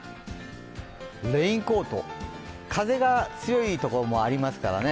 レインコート、風が強いところもありますからね。